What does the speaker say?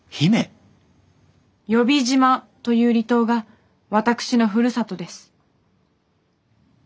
「喚姫島」という離島が私のふるさとです。